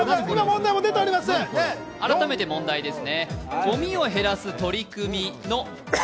改めて問題です。